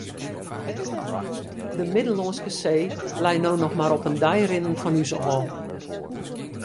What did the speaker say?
De Middellânske See lei no noch mar op in dei rinnen fan ús ôf.